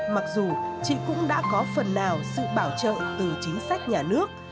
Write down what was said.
mặc dù chị cũng đã có phần nào sự bảo trợ từ chính sách nhà nước